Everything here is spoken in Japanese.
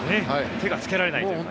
手がつけられないという感じ。